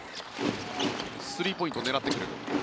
スリーポイントを狙ってくる。